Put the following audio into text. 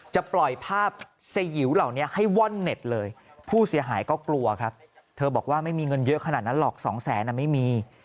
จะปล่อยภาพสยิวเหล่านี้ให้ว่อนเน็ตเลยผู้เสียหายก็กลัวครับเธอบอกว่าไม่มีเงินเยอะขนาดนั้นหรอกสองแสนไม่มี